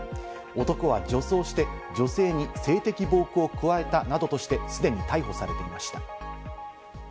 男は女装して女性に性的暴行を加えたなどとして、既に逮捕されていました。